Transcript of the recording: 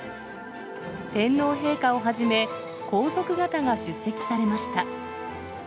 天皇陛下をはじめ、皇族方が出席されました。